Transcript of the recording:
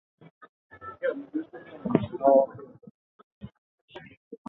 Lan hori izango du hizpide, hain zuen ere elkarrizketan.